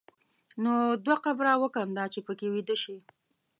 نو دوه قبره وکینده چې په کې ویده شې.